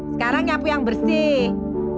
sekarang nyapu yang bersih